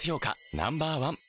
Ｎｏ．１